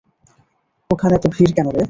ওখানে এত ভীড় কেন রে?